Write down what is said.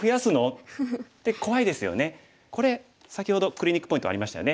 これ先ほどクリニックポイントありましたよね。